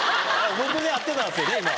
僕で合ってたんすよね？